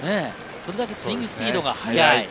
それだけスイングスピードが速いと。